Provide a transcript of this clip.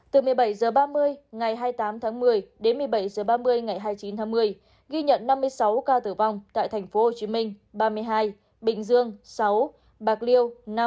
từ một mươi bảy h ba mươi ngày hai mươi tám tháng một mươi đến một mươi bảy h ba mươi ngày hai mươi chín tháng một mươi ghi nhận năm mươi sáu ca tử vong tại tp hcm ba mươi hai bình dương sáu bạc liêu